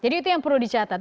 jadi itu yang perlu dicatat